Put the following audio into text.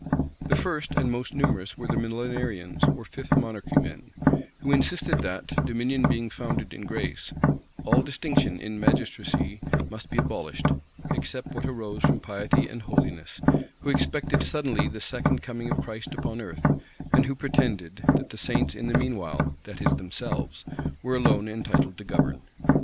The first and most numerous were the Millenarians, or Fifth Monarchy men, who insisted that, dominion being founded in grace, all distinction in magistracy must be abolished, except what arose from piety and holiness; who expected suddenly the second coming of Christ upon earth; and who pretended, that the saints in the mean while, that is, themselves, were alone entitled to govern.